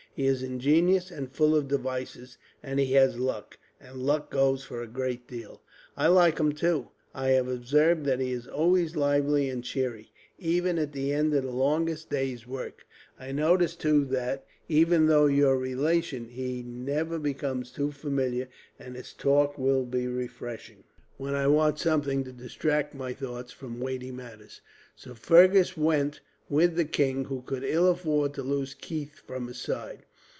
He is ingenious and full of devices; and he has luck, and luck goes for a great deal. "I like him, too. I have observed that he is always lively and cheery, even at the end of the longest day's work. I notice too that, even though your relation, he never becomes too familiar; and his talk will be refreshing, when I want something to distract my thoughts from weighty matters." So Fergus went with the king, who could ill afford to lose Keith from his side.